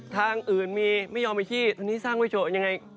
ทางอื่นมีไม่ยอมไปขี้ตอนนี้สร้างไม่จบยังไง